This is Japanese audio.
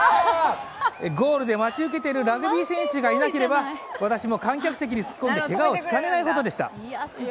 ゴールで待ち受けているラグビー選手がいなければ私も観客席に突っ込んでけがをしかねないほどでした。